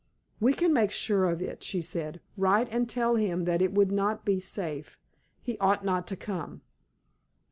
"We can make sure of it," she said. "Write and tell him that it would not be safe; he ought not to come."